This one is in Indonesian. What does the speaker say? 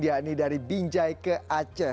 yakni dari binjai ke aceh